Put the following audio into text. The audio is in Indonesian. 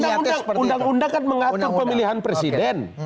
kan undang undang mengatur pemilihan presiden